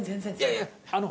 いやいやあの。